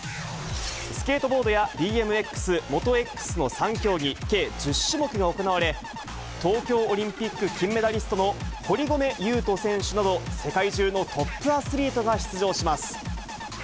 スケートボードやＢＭＸ、モトエックスの３競技、計１０種目が行われ、東京オリンピック金メダリストの堀米雄斗選手など世界中のトップアスリートが出場します。